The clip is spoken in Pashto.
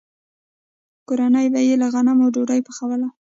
کورنۍ به یې له غنمو ډوډۍ پخوله.